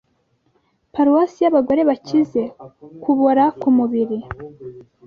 Paruwasi y'abagore bakize, kubora kumubiri,